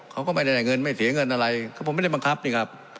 เขาก็ไม่ได้เงินไม่เสียเงินอะไรก็ผมไม่ได้บังคับนี่ครับ